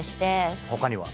他には？